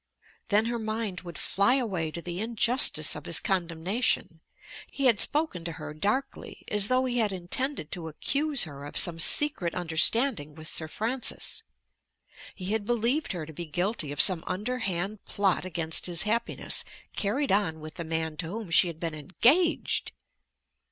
Then her mind would fly away to the injustice of his condemnation. He had spoken to her darkly, as though he had intended to accuse her of some secret understanding with Sir Francis. He had believed her to be guilty of some underhand plot against his happiness, carried on with the man to whom she had been engaged!